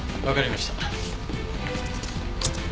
わかりました。